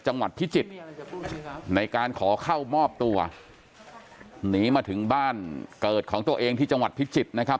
จังหวัดพิจิตรในการขอเข้ามอบตัวหนีมาถึงบ้านเกิดของตัวเองที่จังหวัดพิจิตรนะครับ